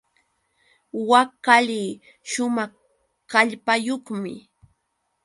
Wak qali shumaq kallpayuqmi.